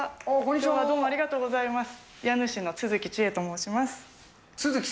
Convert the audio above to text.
きょうはどうもありがとうございます。